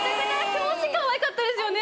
表紙かわいかったですよね